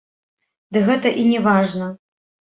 Ды гэта і не важна.